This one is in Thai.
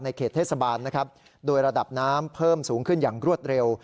เขตเทศบาลนะครับโดยระดับน้ำเพิ่มสูงขึ้นอย่างรวดเร็ว